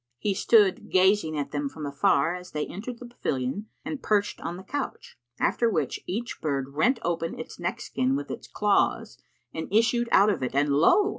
He stood gazing at them from afar as they entered the pavilion and perched on the couch; after which each bird rent open its neck skin with its claws and issued out of it; and lo!